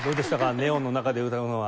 ネオンの中で歌うのは。